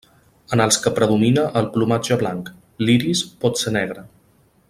En els que predomina el plomatge blanc, l'iris pot ser negre.